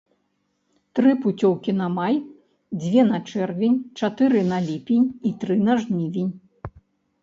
Тры пуцёўкі на май, дзве на чэрвень, чатыры на ліпень і тры на жнівень.